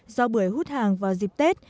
do bưởi hút hàng vào dịp tết